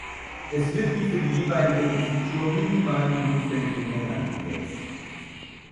Es wird die für die jeweilige Rezeptur minimal notwendige Menge eingesetzt.